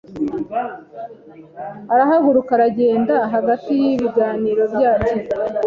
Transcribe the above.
Arahaguruka aragenda hagati y'ibiganiro byacu.